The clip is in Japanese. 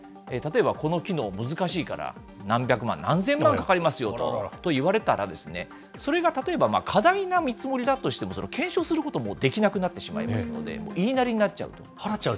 例えばこの機能、難しいから、何百万、何千万かかりますよと言われたら、それが例えば過大な見積もりだとしても、検証することもできなくなってしまいますので、言いなりになっちゃうと。